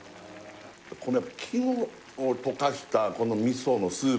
この肝をとかしたこの味噌のスープ